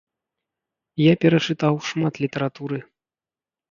Я перачытаў шмат літаратуры.